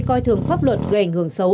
coi thường pháp luật gây ảnh hưởng xấu